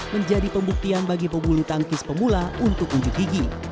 menjadi pembuktian bagi pebulu tangkis pemula untuk unjuk gigi